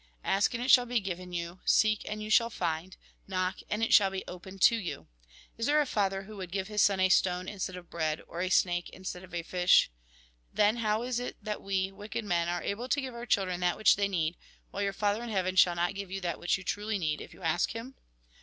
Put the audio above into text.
Ask and it shall be given you, seek and you shall find, knock and it shall be opened to you. Is there a father who would give his son a stone instead of bread, or a snake instead of a fish ? Then, how is it that we, wicked men, are able to give our children that which they need, while your Father in heaven shall not give you that which you truly need, if you ask Him